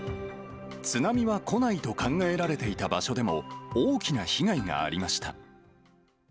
津波は来ないと考えられていた場所でも、大きな被害がありました。